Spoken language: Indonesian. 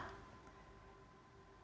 ini masalah keuangan dr tono